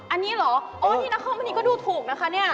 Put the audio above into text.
อันนี้หรือนี่นะครับเมื่อกี้ก็ดูถูกนะคะ